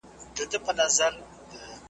پر ګرېوانه دانه دانه شمېرلې .